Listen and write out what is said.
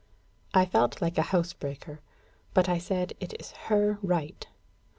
I felt like a housebreaker; but I said, "It is her right."